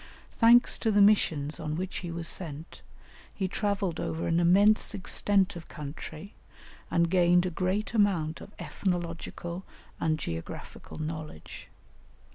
Thanks to the missions on which he was sent, he travelled over an immense extent of country, and gained a great amount of ethnological and geographical knowledge.